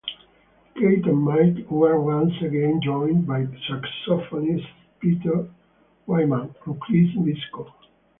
Kate and Mike were once again joined by saxophonists Pete Whyman and Chris Biscoe.